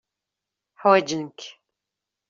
Ḥwajen-k.